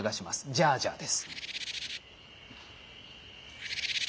「ジャージャー」です。